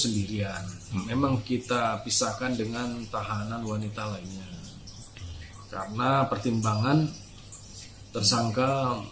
sendirian memang kita pisahkan dengan tahanan wanita lainnya karena pertimbangan tersangka